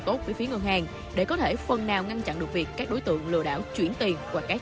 tốt với phía ngân hàng để có thể phần nào ngăn chặn được việc các đối tượng lừa đảo chuyển tiền qua các